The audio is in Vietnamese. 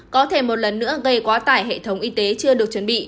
có thể một lần nữa gây quá tải hệ thống y tế chưa được chuẩn bị